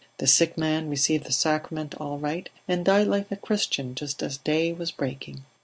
The sick man received the sacrament all right, and died like a Christian just as day was breaking.